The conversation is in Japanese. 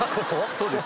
そうです。